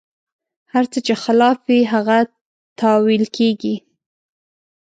هر څه چې خلاف وي، هغه تاویل کېږي.